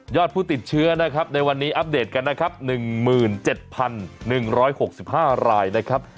ผู้ติดเชื้อนะครับในวันนี้อัปเดตกันนะครับ๑๗๑๖๕รายนะครับ